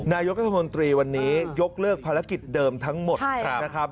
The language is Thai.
นายกรัฐมนตรีวันนี้ยกเลิกภารกิจเดิมทั้งหมดนะครับ